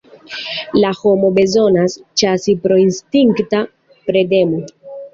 La homo bezonas ĉasi pro instinkta predemo.